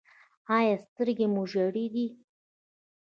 ایا سترګې مو ژیړې دي؟